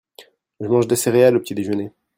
je mange des céréales au petit déjeuner.